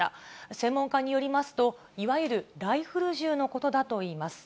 専門家によりますと、いわゆるライフル銃のことだといいます。